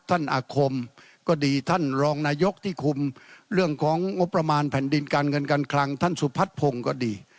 อาคมก็ดีท่านรองนายกที่คุมเรื่องของงบประมาณแผ่นดินการเงินการคลังท่านสุพัฒน์พงศ์ก็ดี